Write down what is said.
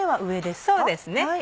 そうですね。